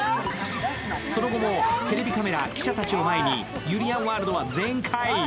その後もテレビカメラ、記者たちを前にゆりやんワールドは全開。